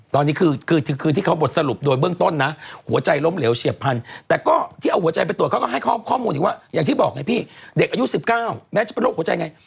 ตอนนี้คือที่เขาบทสรุปโดยเบื้องต้นนะหัวใจล้มเหลวเฉียบพันธุ์แต่ก็ที่เอาหัวใจไปตรวจเขาก็ให้ข้อมูลอีกว่าอย่างที่บอกไงพี่เด็กอายุ๑๙แม้จะเป็นโรคหัวใจไง